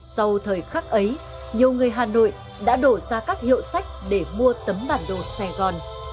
sau thời khắc ấy nhiều người hà nội đã đổ ra các hiệu sách để mua tấm bản đồ sài gòn